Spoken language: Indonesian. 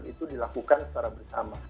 itu dilakukan secara bersama